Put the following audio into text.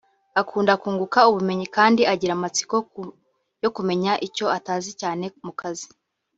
akunda kunguka ubumenyi kandi agira amatsiko yo kumenya icyo atazi cyane mu kazi